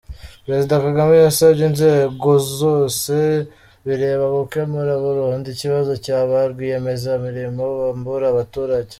Perezida Kagame yasabye inzego zose bireba gukemura burundu ikibazo cya ba rwiyemezamirimo bambura abaturage .